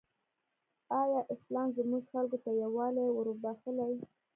ایا اسلام زموږ خلکو ته یووالی وروباخښلی؟